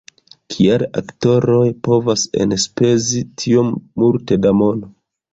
Kial aktoroj povas enspezi tiom multe da mono!